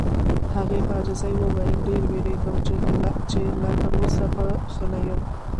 هغې په عاجزۍ وویل: ډېر وېریږم چې لا تر اوسه به ښه نه یم.